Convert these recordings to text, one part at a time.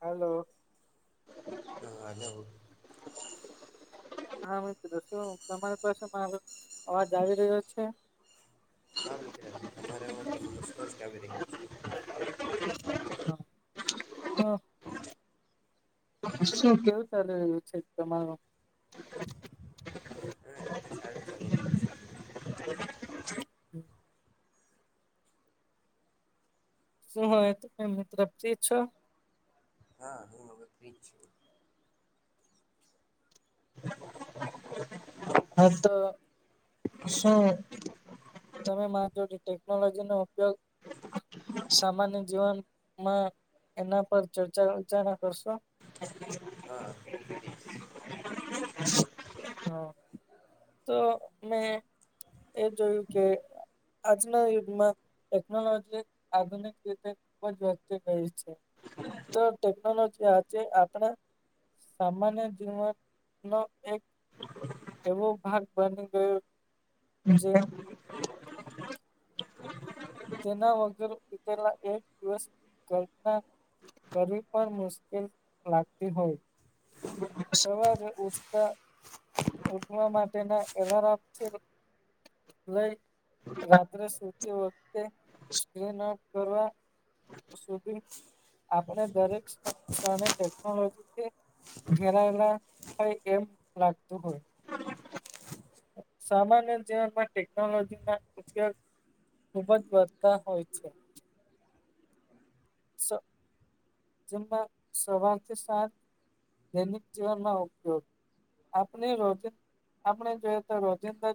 Hello. હા hello. [inaudible] હા મિત્રો શું તમારી પાસે મારો અવાજ આવી રહ્યો છે? હા મિત્ર તમારા હો મને સ્પષ્ટ આવી રહ છે. હા. શું કેવું ચાલી રહ્યું છે તમારું? હા એમ તો સારું ચાલે પ છેટ બ. શું હોય ત ફ્રી મિત્ર છો? હા હું અવે ફ્રી જ છું. હાતો શું તમે માજો ટેકનોલોજી નો ઉપયોગ સામાન્ય જીવનમાં એના પર ચર્ચા વિર્ચારણા કરશો. હા હું ફરીશ. હા તો મેં. એ જોયું કે. આજના યુગમાં ટેકનોલોજી આધુનિક રીતે ખૂ જ વધતી ગઈ છે. તો ટેકનોલોજી આજે આપણા સામાન્ય જીવન નો એક એવો ભાગ બની ગયો જે તેના વગર પલા એક દિવસ ઘટના કરવી પણ મુશ્કેલ લાગતી હોય. ઉઠતા ઉઠવા માટેના એલારામ છેને હવે. રાત્રે સુતી વખતે્રીન કરવા શુંપી આપણે દરેક ટેકનોલોજીથી ઘેરાયેલા એમ લાગતું હોય. સામાન્ય જીવનમાં ટેકનોલોજી ના ઉપયોગ ખુબ જ વધતા હોય છે. જેમાં સવારથી સાત દૈનિક જીવનમાં ઉપયોગ. આપણે રોજિ આપણે જોઈએ તો રોજિંદ્ર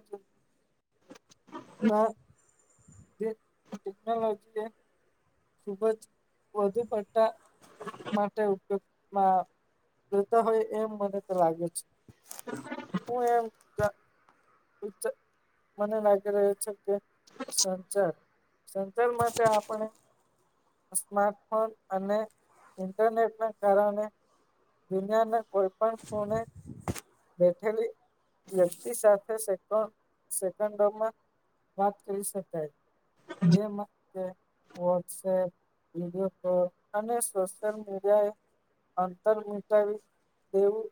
ના જે ટેકનોલોજી એ. ખુબ જ વધુ પટ્ટા માટે ઉપયોગમાં. કરતા હોય એમ મને તો લાગે છે. હું એમ મને લાગી રહ્યો છે કે. સંચાર સંચાર માટે આપણે. સ્માર્ટફોન અને ઇન્ટરનેટ ના કારણે દુનિયાને કોઈ પણ ફોને. હેમલી વ્યક્તિ સાથે સેકન્ડમાં વાત કરી શકાય જે માટે વો સેટ વિડીયો કોલ અને સોશલ મીડિયાએ અંતર મટાવી તેવું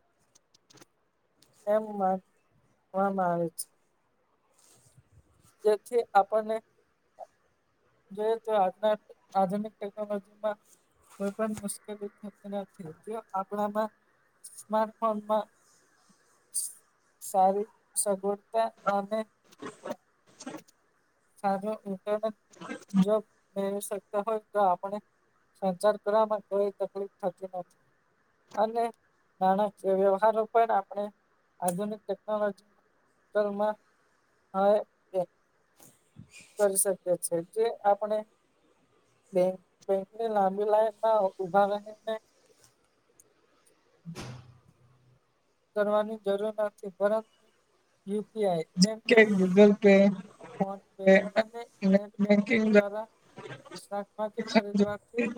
એમ માંગવા મા આવે છે. જેથી આપણને જોઈ તો આજ ના આધુનિક ટેકનોલોજીમાં કોઈ પણ મુશ્કેલી થતી નથી જો આપણામાં સ્માટ ફોન માં સારી સગવડતા અને સારો પોતાનો જોબ કરી શકે. હોય તો આપણે સંચાર કરવામાં કોઈ તકલીફ થતી નથી. અને નાણાકીય વ્યવહારો પણ આપણે આધુનિક ટેકનોલોજી ધરમાં હાએ [inaudible] કરી શકીએ છે જે આપણે બેં બેંક ની લાંબી લાઈન ના ઉભા રહીને. કરવાની જરૂર નથી પરંતુ યુપીઆઈ જેમ કે ગૂગલ પે ફોન પે અને બેંકિંગ દ્વારા શાખતી ખરીદવાથી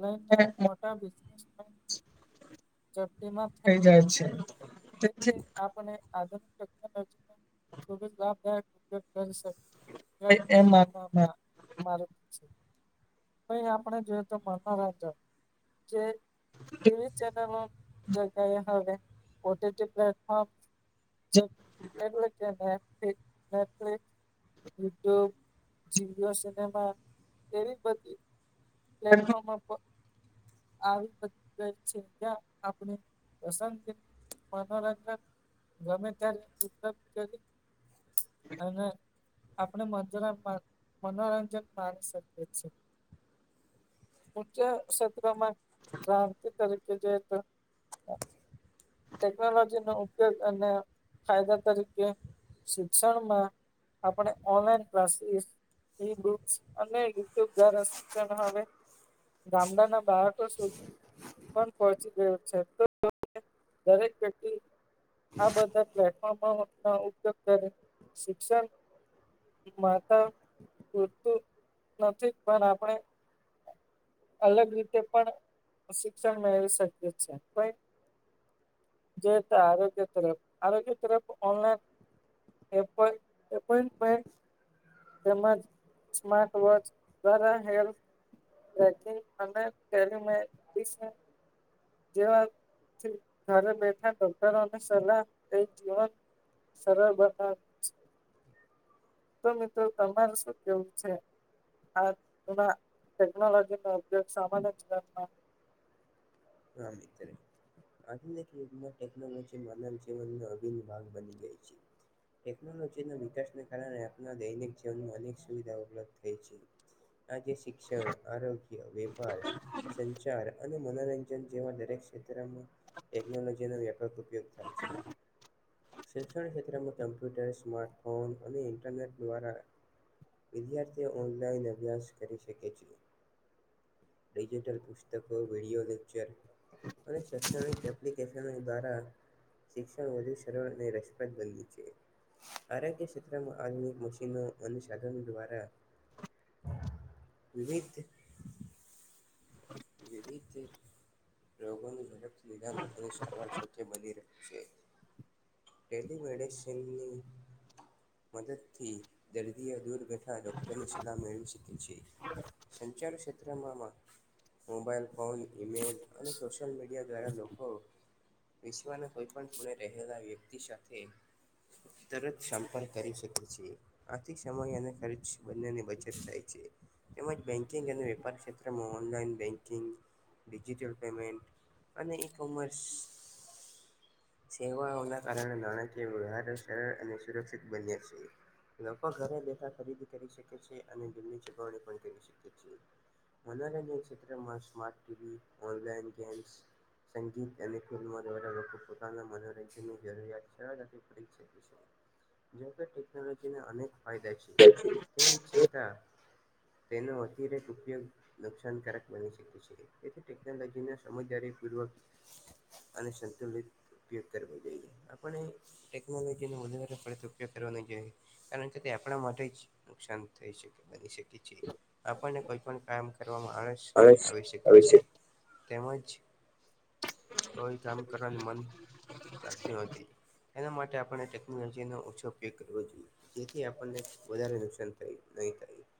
લઈને મોટા [unintelligible] થઈ જાય છે. જે [unintelligible] આપને આધુનિક પદ્ધ [unintelligible] એ તે માર માં [unintelligible] ભાઈ આપણે જોઈએ તો મનોરંજન જે ટીવી ચેનલો જે એ હવે પોતે તે પ્લેટફોર્મ જે એટલે તેને એક [unintelligible] યુટ્યુબ જીવયો સિનેમા એવી બધી પ્લેટફોર્મ આવી ગઈ છે ત્યાં આપણે [unintelligible] મનોરંજન ગમે ત્યારે [unintelligible] ના ના આપણે માજરમાં મનોરંજન માની શકીએ છીએ. ઉચ્ચ ક્ષેત્રમાં ક્રાંતિ તરીકે જે [unintelligible] ટેકનોલોજી નો ઉપયોગ અને ફાયદા તરીકે શિક્ષણમાં આપણે ઓનલાઈન ક્લાસીસ ઈ બુ અને [unintelligible] શિક્ષણ હામે ગામડાના બાળકો સુધી પણ પહોંચી ગયું છે તો દરેક વ્યક્તિ આ બધા પ્લેટફોર્મો પણ ઉપયોગ કરી શિક્ષણ માતા પૂરતું નથી પણ આપણે અલગ રીતે પણ શિક્ષણ મેળવી શકીએ છે [unintelligible] જે આરોગ્ય તરફ આરોગ્ય તરફ ઓનલાઈન એ [unintelligible] [unintelligible] તેમજ સ્માર્ટ વોચ દ્વારા હેલ્થ પ્રેક્ટિસ અને [unintelligible] જેવા ઘરે બેઠા ડોક્ટરોની સલાહ એજ જીવન સરળ બનાવતું છે. તો મિત્રો તમારે શું કેવું છે. આ તેના ટેકનોલોજી નો ઉપગ સામાન્ય જીવનમાં હા મિત્રે. આધુનિક યુગમાં ટેકનોલોજી માનવ જીવનનો આધીન ભાગ બની ગઈ છે. ટેકનોલોજીના વિકાસને કારણે આપણા દૈનિક જીવનમાં અનેક સુવિધાઓ ઉપલબ્ધ થઈ છે. [inaudible] આજે શિક્ષણ આરોગ્ય વેપાર સંચાર અને મનોરં જન જેમાં દરેક ક્ષેત્રમાં ટેકનોલોજીનો વ્યાપક ઉપયોગ થાય છે. શૈક્ષણીક ક્ષેત્રમાં કમ્પ્યુટર સ્માર્ટફોન અને ઇન્ટરનેટ દ્વારા વિદ્યાર્થીઓ ઓનલાઈન અભ્યાસ કરી શકે છે. ડિજિટલ પુસ્તકો વિડિયો લેક્ચર અને શૈક્ષણિક એપ્લિકેશન દ્વારા શિક્ષણ વધુ સરળ અને રસપ્રદ બને છે. આરોગ્ય ક્ષેત્રમાં આધુનિક મશીનો અને સાધનો દ્વારા વિવિધ વિવિધ રોગોનું ઝડપથી નિદાન અને સારવાર શક્ય બની રહે છે. ટેલિમેડિસિનની મદદથી દર્દીઓ દૂર તથા ડૉક્ટરની સલાહ મેળવી શકે છે સંચાર ક્ષેત્રમાં માં મોબાઈલ ફોન ઈમેલ અને સોશિયલ મીડિયા દ્વારા લોકો વિશ્વના કોઈપણ ખૂણે રહેલા વ્યક્તિ સાથે. તરત સંપર્ક કરી શકે છે આથી સમય અને ખર્ચ બનેની બચત થાય છે તેમજ બેન્કિંગ અને વેપાર ક્ષેત્રમાં online banking digital payment અને ઇ કોમર્સ. સેવાઓના કારણે નાણાકીય વ્યવહાર સરળ અને સુરક્ષિત બન્યા છે. લોકો ઘરે બેઠા ખરીદી કરી શકે છે અને જેમની ચૂકવણી પણ કરી શકે છે. મનોરંજન ક્ષેત્રમાં સ્માર્ટ ટીવી ઓનલાઈન ગેમ્સ સંગીત અને ફિલ્મો દ્વારા લોકો પોતાના મનોરંજનની જરૂરિયાત સરળતાથી કરી જેમ કે ટેકનોલોજી નો અનેક ફાયદા છે. તેથી. તેમ છતાં તેનો અતિરેક ઉપયોગ નુકસાનકારક બની શકે છે તેથી ટેકનોલોજી સમજદારી પૂર્વક અને સતુંલિત ઉપયોગ કરવો જોઈએ આપણે ટેકનોલોજી નો વધારે પળતો ઉપયોગ કરવાને નહિ જોયે કારણ કે તે આપણા માટે જ નુકસાન થઈ શકે બની શકે છે. આપણને કોઈ પણ કામ કરવાવામાં આળસ આવી શકે છે. તેમજ કોઈ કામ કરવાનું મન લાગતું નથી. એના માટે આપણે ટેકનોલોજીનો ઓછો ઉપયોગ કરવો જોઈએ. જેથી આપણને વધારે નુકસાન થાય નહી થાય.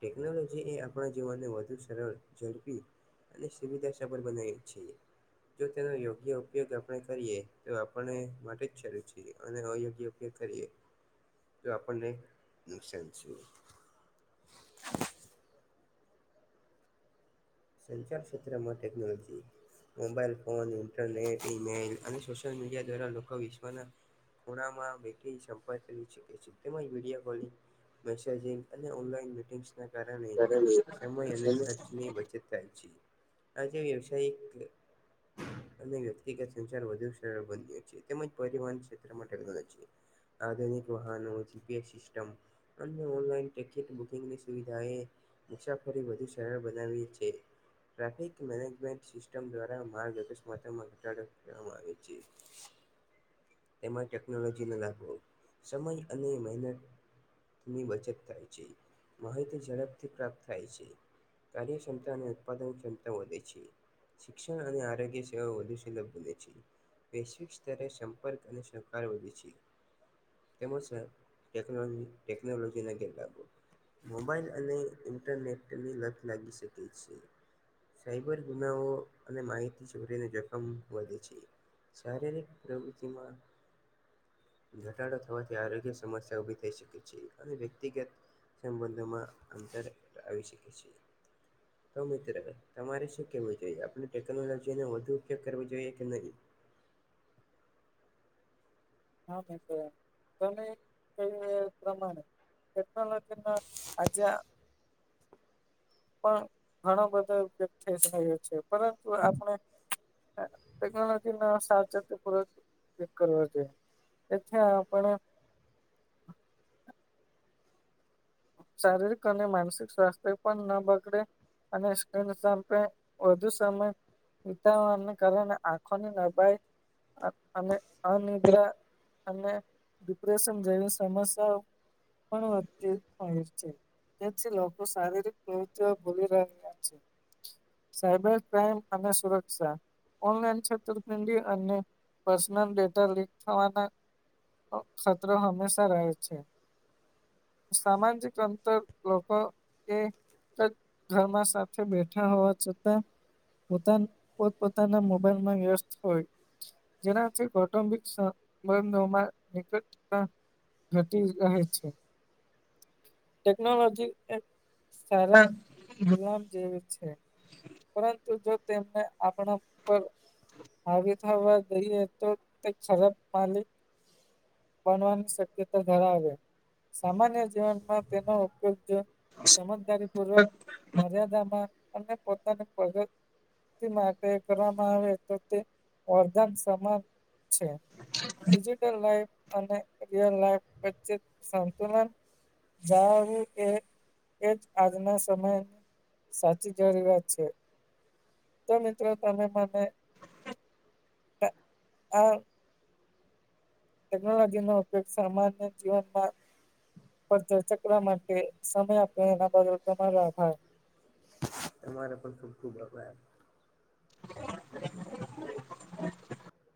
ટેકનોલોજી એ આપણા જીવનને વધુ. સરળ ઝડપી અને સુવિધા સબળ બનાવી છીએ. જો તેનો યોગ્ય ઉપયોગ આપણે કરીએ તો આપને માટે જ સારું છે અને અયોગ્ય ન કરીએ તો આપણને નુકસાન છે. સંચાર ક્ષેત્રમાં માટે technology mobile phone internet email અને સોશિયલ મીડિયા દ્વારા લોકો વિશ્વના ખુણા માં બેઠી સંપર્ક કરી શકે છે તેમજ વિડીયો કોલિંગ મનસા જી અને ઓનલાઈન મીટિંગ્સ ના કારણે સમય અને ખર્ચની બચત થાય છે આજે વ્યવસાય એક અને વ્યક્તિગત સંચાર વધુ સરળ બની ગ્યો છે તેમજ પરિવહન ક્ષેત્રમાં ટેનોલોજી આધુનિક વાહનો જી. પી. એસ. સિસ્ટમ અન્ય ઓનલાઈન ટિકિટ બુકિંગની સુવિધાએ મુસાફરી વધુ સરળ બનાવી છે. ટ્રાફિક મેનેજમેન્ટ સિસ્ટમ દ્વારા માર્ગ અકસ્માતોમાં ઘટાડો કરવામાં આવે છે. તેમાં ટેકનોલોજી ને લાભો સમય અને મહેનત ની બચત થાય છે માહિતી ઝડપથી પ્રાપ્ત થાય છે. કાર્યક્ષમતા અને ઉત્પાદન ક્ષમતા વધે છે. શિક્ષણ અને આરોગ્ય સેવા વધુ સુલભ બને છે વૈશ્વિક સ્તરે સંપર્ક અને સહકાર વધે છે. તેમજ સર ટેકનોલોજી ટેકનોલોજીને ગેર કાપો- - મોબાઈલ અને ઇન્ટરનેટની લત લાગી શકે છે. સાઈબર ગુનાઓ અને માહિતી છોરીઓને જોખમ વધે છે. શારીરિક પ્રવૃત્તિમાં- - ઘટાડો થવાથી આરોગ્ય સમસ્યા ઊભી થઈ શકે છે અને વ્યક્તિગત- - સંબંધોમાં અંતર આવી શકે છે. [unintelligible] તો મિત્ર તમારે શું કેહેવું જોઈએ આપણે ટેકનોલોજીનો વધુ ઉપયોગ કરવો જોઈએ કે નહીં? હા મિત્ર તમે કેવુંએ પ્રમાણે- - ટેકનોલોજી ના આજ- - પણ ઘણા બધા વ્યક્ ઠેશ રયો છે પરંતુ આપણે- - ટ ટેકનોલોજી ના સાવચેતીક પૂર્વક ચેક કરવુ જોઈએ. તેથી આપણે- - શારીરિક અને માનસિક સ્વાસ્થ્ય પણ ના બગડે- - અનેકે અસકન સપે વધુ સમય- - વિતાવને કારણે આંખોની નબડાઈ અ અને અનિદ્રા- - અને ડિપ્રેશન જેવી સમસ્યાઓ પણ વધતી- - [unintelligible] છે જેથી લોકો શારીરિક પ્રવૃતીભૂલી રહ્યા છે. સાયબર ક્રાઈમ અને સુરક્ષા- - ઓનલાઇન [unintelligible] અને પર્નલ ડેટા લીક થવાના- - અ ખતરો હંમેશા રહે છે. સામાજિક અંતર લોકો એ- - તદ્દ ઘરમા સાથે બેઠા હોવા છતાં- - બધાન પોત પોતાના મોબાઈલમાં વ્યસ્ત હોય- - જેનાથી કૌટુંબિક સંબંધોમાં નિકટતા- - ઘટી રહેે છે. ટેકનોલોજી એક સારા ગુલામ જેવી છે. પરંતુ જો તેને આપણા ઉપર- - આવી થવા દઈએ તો તે ખરાબ પાણી- - બનવાની શક્યતા ધરાવે સામાન્ય જીવનમાં- - તેનો ઉપયોગ સમજદારી પૂર્વક- - મર્યાદામાં અને પોતાનું પગ- - તી માટે કરવામાં આવે તો તે વરધાન સમાન- - છે ડિજિટલ [unintelligible] [unintelligible] અને સમતુલન છે. જણાવ્યું એ એજ આજનો સમય- - સાચી [unintelligible] વાત છે તો મિત્રો તમે મને- - ત અ- - ટેકનોલોજી નો ઉપયોગ સામાન્ય જીવનમાં પર ચર્ચા કરવા માટે- - સમય આપે એના બદલ તમારો આભાર. તમારો પણ ખૂબ ખૂબઆભાર. [inaudible]